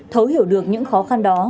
thấu hiểu được những khó khăn đó